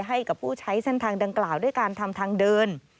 ให้กับผู้ใช้เส้นทางดังกล่าวด้วยการทำทางเดิน